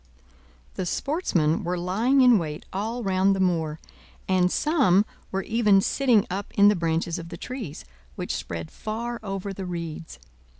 The sportsmen were lying in wait all round the moor, and some were even sitting up in the branches of the trees, which spread far over the reeds.